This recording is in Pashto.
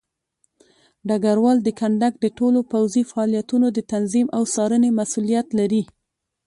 ډګروال د کندک د ټولو پوځي فعالیتونو د تنظیم او څارنې مسوولیت لري.